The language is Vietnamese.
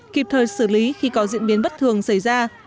kịp thời xử lý khi có diễn biến bất thường xảy ra